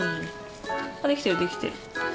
あできてるできてる。